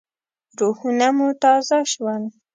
روحونه مو تازه شول.